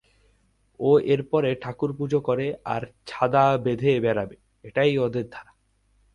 ও এরপরে ঠাকুরপুজো করে আর ছাদা বেঁধে বেড়াবে,-ওই ওদের ধারা।